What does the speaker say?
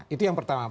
itu yang pertama